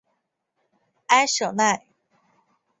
埃舍奈。